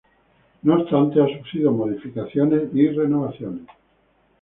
No obstante, ha sufrido modificaciones y renovaciones.